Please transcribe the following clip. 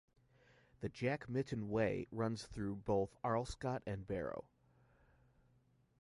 The Jack Mytton Way runs through both Arlescott and Barrow.